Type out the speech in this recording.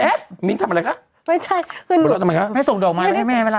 เอ๊ะมิ้งทำอะไรคะไม่ใช่บอกแล้วทำไมคะไม่ส่งดอกไม้ให้แม่ไว้ล่ะ